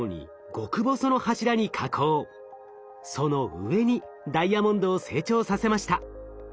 その上にダイヤモンドを成長させました。